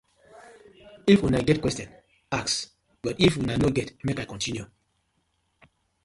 If una get question, ask but if una no get, mek I continue.